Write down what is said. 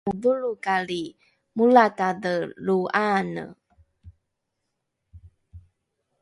amodholrokali molatadhe lo ’aane?